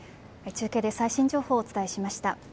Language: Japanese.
中継で最新情報をお伝えしました。